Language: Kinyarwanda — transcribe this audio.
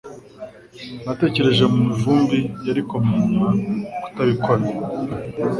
Natekereje ko Mivumbi yari kumenya kutabikora